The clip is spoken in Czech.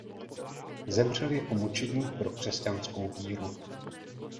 Zemřel jako mučedník pro křesťanskou víru.